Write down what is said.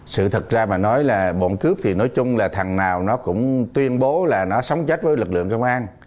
sự thật ra mà nói là bọn cướp thì nói chung là thằng nào nó cũng tuyên bố là nó sống chết với lực lượng công an